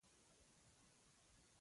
ښکلي خلک او درنې سټې څوک څنګه هېر کړي.